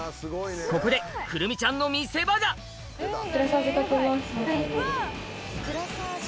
ここでくるみちゃんの見せ場が！うわ！